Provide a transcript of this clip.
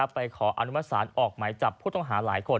ขออนุมัติศาลออกหมายจับผู้ต้องหาหลายคน